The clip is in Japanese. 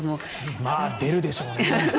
まあ出るでしょうね。